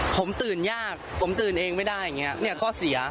ผมตื่นยากผมตื่นเองไม่ได้เนี่ยข้อเสีย